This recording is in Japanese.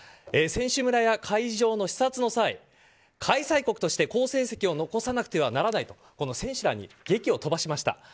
選手村や会場の視察の際開催国として好成績を残さなくてはならないと選手らに檄を飛ばしました。